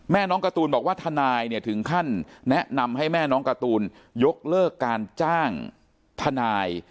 น้องการ์ตูนบอกว่าทนายเนี่ยถึงขั้นแนะนำให้แม่น้องการ์ตูนยกเลิกการจ้างทนาย